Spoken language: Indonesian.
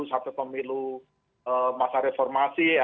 sampai pemilu masa reformasi